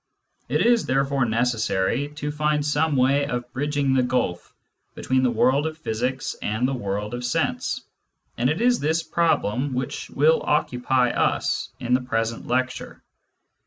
It is therefore necessary to find some way of bridging the gulf between the world of physics and the world of sense, and it is this problem which will occupy us in the present lecture.